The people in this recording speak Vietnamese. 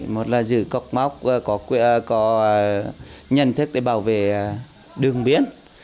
một là giữ cột mốc có nhận thức để bảo vệ đường biên